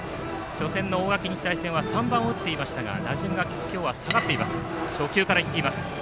初戦の大垣日大戦は３番を打っていましたが打順は今日は下がっています。